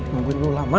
mampir dulu lama